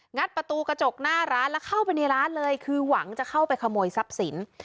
ประตูกระจกหน้าร้านแล้วเข้าไปในร้านเลยคือหวังจะเข้าไปขโมยทรัพย์สิน